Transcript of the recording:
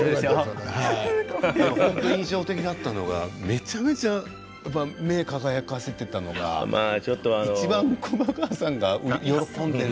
印象的だったのがめちゃめちゃ目を輝かせていたのがいちばん熊川さんが喜んでいたと。